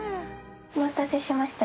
お待たせしました。